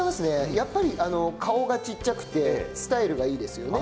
やっぱり顔が小さくてスタイルがいいですよね。